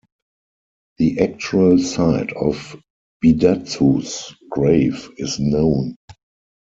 The actual site of Bidatsu's grave is known.